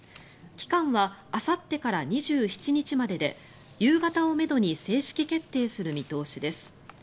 期間はあさってから２７日までで夕方をめどに正式決定する見通しです。